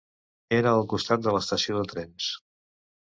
Era al costat de l’estació de trens.